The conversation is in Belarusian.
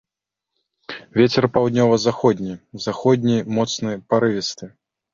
Вецер паўднёва-заходні, заходні моцны парывісты.